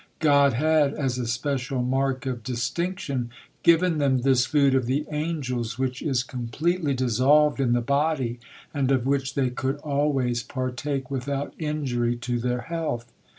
God had, as a special mark of distinction, given them this food of the angels, which is completely dissolved in the body, and of which they could always partake without injury to their health.